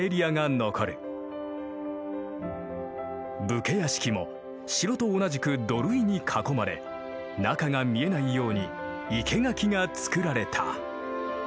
武家屋敷も城と同じく土塁に囲まれ中が見えないように生け垣が作られた。